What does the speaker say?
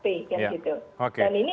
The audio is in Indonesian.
dan ini yang harus direkognisir